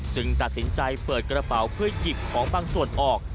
ตัดสินใจเปิดกระเป๋าเพื่อหยิบของบางส่วนออก